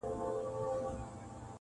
چي پر هره تړه ورسو زموږ برى دئ-